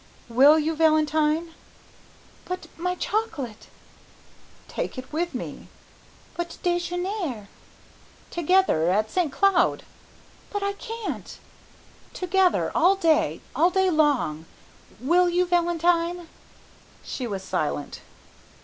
"Will you, Valentine?" "But my chocolate " "Take it with me." "But déjeuner " "Together, at St. Cloud." "But I can't " "Together, all day, all day long; will you, Valentine?" She was silent.